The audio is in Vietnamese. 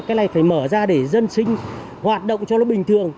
cái này phải mở ra để dân sinh hoạt động cho nó bình thường